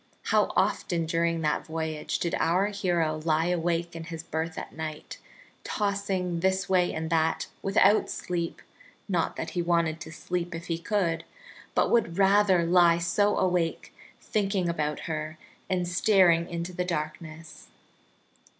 How often during that voyage did our hero lie awake in his berth at night, tossing this way and that without sleep not that he wanted to sleep if he could, but would rather lie so awake thinking about her and staring into the darkness!